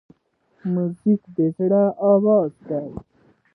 موزیک د زړه آواز دی.